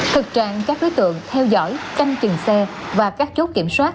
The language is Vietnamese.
thực trạng các đối tượng theo dõi canh chừng xe và các chốt kiểm soát